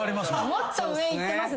もっと上いってますね。